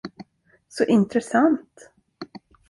Så intressant.